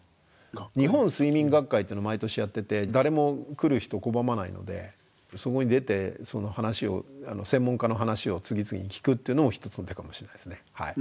日本睡眠学会っての毎年やってて誰も来る人拒まないのでそこに出て話を専門家の話を次々に聞くっていうのも一つの手かもしれないですね。